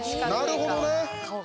なるほどね。